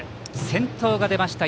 先頭が出ました